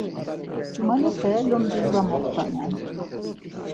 Cumalepe lumcis var moxtanoren.